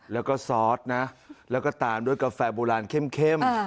แล้วก็ซอสนะแล้วก็ตามด้วยกาแฟโบราณเข้ม